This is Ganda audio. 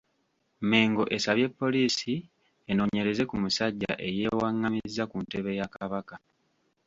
Mmengo esabye poliisi enoonyereze ku musajja eyeewaղղamizza ku ntebe ya Kabaka.